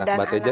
iya dan anaknya